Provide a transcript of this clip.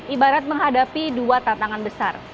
ibarat menghadapi dua tantangan besar